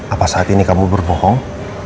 apa saat ini kamu berbohong